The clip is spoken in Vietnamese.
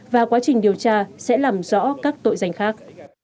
và quá trình điều tra sẽ làm rõ các tội danh khác